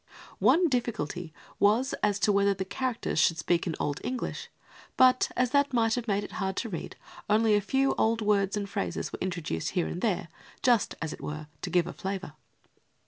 One difficulty was as to whether the characters should speak in old English; but, as that might have made it hard to read, only a few old words and phrases were introduced here and there, just, as it were, to give a flavour.